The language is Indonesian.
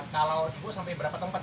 kalau ibu sampai berapa tempat